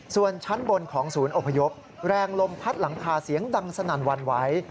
ส่วนชั้นบนของศูนย์อพยพแรงลมพัดหลังคาเสียงดังสนั่นวันไหว